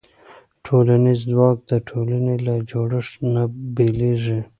ټولنیز ځواک د ټولنې له جوړښت نه بېلېږي.